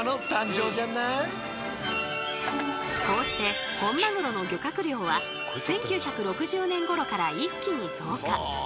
こうして本マグロの漁獲量は１９６０年ごろから一気に増加！